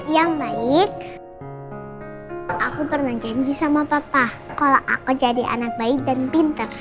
yang baik aku pernah janji sama papa kalau aku jadi anak baik dan pinter